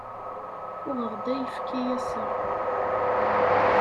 Uɣeɣ-d ayefki ass-a.